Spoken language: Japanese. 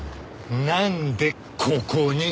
なんでここに？